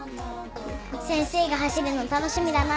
先生が走るの楽しみだな。